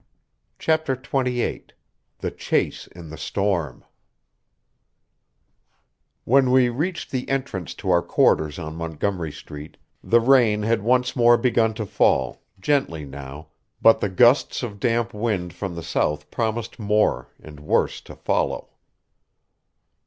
CHAPTER XXVIII THE CHASE IN THE STORM When we reached the entrance to our quarters on Montgomery Street the rain had once more begun to fall, gently now, but the gusts of damp wind from the south promised more and worse to follow.